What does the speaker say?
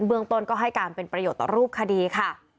เมืองต้นก็ให้การเป็นประโยชน์ต่อรูปคดีค่ะ